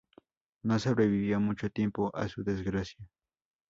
No sobrevivió mucho tiempo a su desgracia.